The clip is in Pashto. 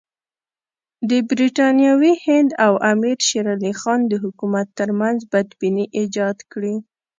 د برټانوي هند او امیر شېر علي خان د حکومت ترمنځ بدبیني ایجاد کړي.